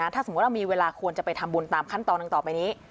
ถ้าสมมุติเรามีเวลาควรจะไปทำบุญตามขั้นตอนหนึ่งต่อไปนี้